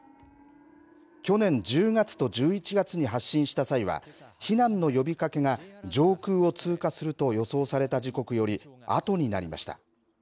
去年１０月と１１月に発信した際は避難の呼びかけが上空を通過すると予想された時刻より後になりました。